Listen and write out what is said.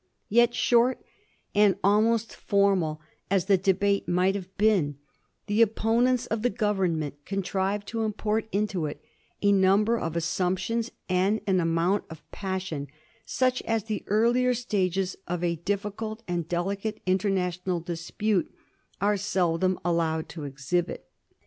Yet, short and almost formal as the debate might have been, the opponents of the Government contrived to import into it a number of assumptions, and an amount of passion, such as the earlier stages of a diffi cult and delicate international dispute are seldom allowed to exhibit.